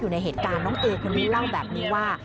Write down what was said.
อยู่ในเหตุการณ์น้องเอคนนี้เล่าแบบนี้ว่า